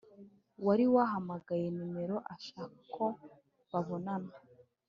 wariwahamagaye numero ashaka ko babonana,